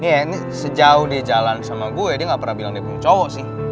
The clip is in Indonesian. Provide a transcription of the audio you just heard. ya ini sejauh dia jalan sama gue dia gak pernah bilang dia bung cowok sih